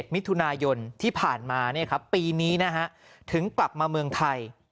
๒๗มิถุนายนที่ผ่านมาเนี่ยครับปีนี้นะฮะถึงกลับมาเมืองไทย